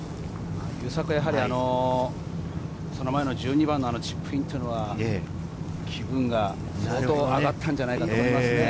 優作はやはり、その前の１２番のチップインというのが、気分が相当上がったんじゃないかと思いますね。